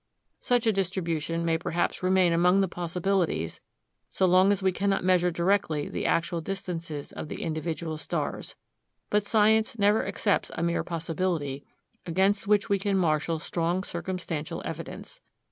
Such a distribution may perhaps remain among the possibilities, so long as we cannot measure directly the actual distances of the individual stars. But science never accepts a mere possibility against which we can marshal strong circumstantial evidence.